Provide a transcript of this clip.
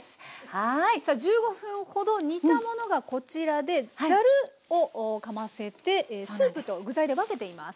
１５分ほど煮たものがこちらでざるをかませてスープと具材で分けています。